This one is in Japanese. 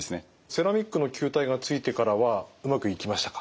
セラミックの球体がついてからはうまくいきましたか？